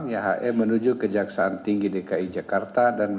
yhe menuju kejaksaan tinggi dki jakarta